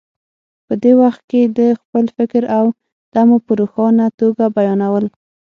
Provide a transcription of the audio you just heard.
په دې وخت کې د خپل فکر او تمو په روښانه توګه بیانول.